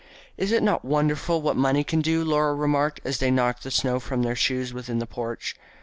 "Is it not wonderful what money can do?" Laura remarked, as they knocked the snow from their shoes within the porch.